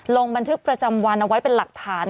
ลงบันทึกประจำวันเอาไว้เป็นหลักฐาน